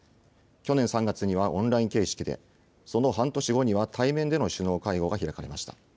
去年３月にはオンライン形式で、その半年後には対面での首脳会合が開かれました。